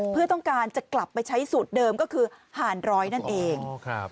เพื่อต้องการจะกลับไปใช้สูตรเดิมก็คือห่านร้อยนั่นเอง